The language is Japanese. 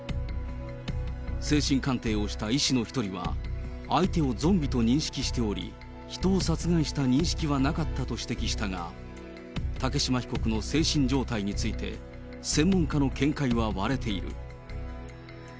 精神鑑定をした医師の一人は、相手をゾンビと認識しており、人を殺害した認識はなかったと指摘したが、竹島被告の精神状態について、専門家の見解は割れている。